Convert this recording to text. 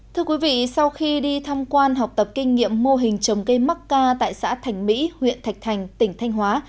thưa quý vị sau khi đi tham quan học tập kinh nghiệm mô hình trồng cây mắc ca tại xã thành mỹ huyện thạch thành tỉnh thanh hóa